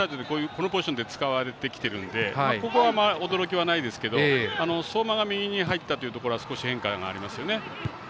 このポジションで使われてきているのでここは、驚きはないですが相馬が右に入ったところは少し変化がありますよね。